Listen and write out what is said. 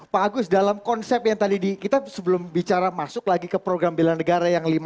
bagus dalam konsep yang tadi kita sebelum bicara masuk lagi ke program bela negara yang lima tahun terakhir di indonesia